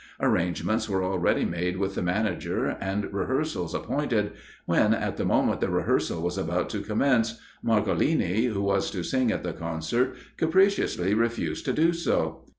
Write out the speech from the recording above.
Arrangements were already made with the manager, and rehearsals appointed, when, at the moment the rehearsal was about to commence, Marcolini, who was to sing at the concert, capriciously refused to do so.